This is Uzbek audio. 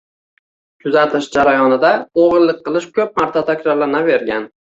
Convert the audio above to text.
Kuzatish jarayonida o‘g‘rilik qilish ko‘p marta takrorlanavergan.